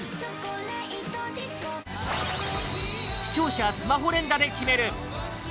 視聴者スマホ連打で決める！